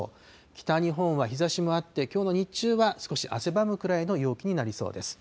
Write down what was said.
北日本は日ざしもあって、きょうの日中は少し汗ばむくらいの陽気になりそうです。